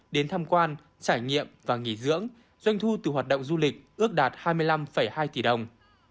đến tham quan trải nghiệm và nghỉ dưỡng doanh thu từ hoạt động du lịch ước đạt hai mươi năm hai tỷ đồng